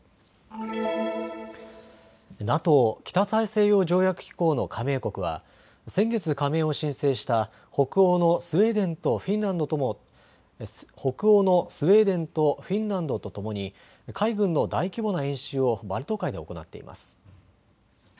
ＮＡＴＯ・北大西洋条約機構の加盟国は先月加盟を申請した北欧のスウェーデンとフィンランドとともに海軍の大規模な演習をバルト海で行っています。